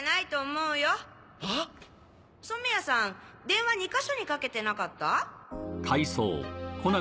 電話２か所にかけてなかった？